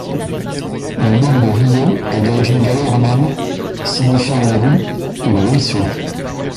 Le nom de Rieux est d'origine gallo-romaine, signifiant le ru ou le ruisseau.